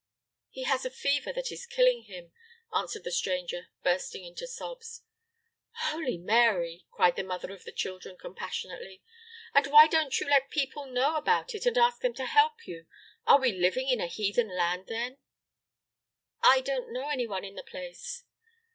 "He has a fever that is killing him," answered the stranger, bursting into sobs. "Holy Mary!" cried the mother of the children compassionately. "And why don't you let people know about it and ask them to help you? Are we living in a heathen land, then?" "I don't know any one in the place."